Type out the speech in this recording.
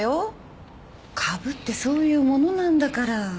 株ってそういうものなんだから。